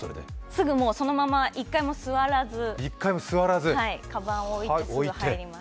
すぐそのまま、１回も座らずかばんを置いて入ります。